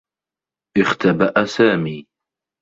اختبأ سامي.